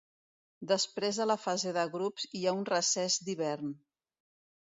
Després de la fase de grups hi ha un recés d'hivern.